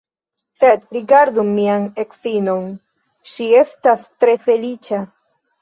Sed, rigardu mian edzinon, ŝi estas tre feliĉa.